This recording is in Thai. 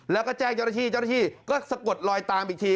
แล้วก็แจ้งเจ้าหน้าที่เจ้าหน้าที่ก็สะกดลอยตามอีกที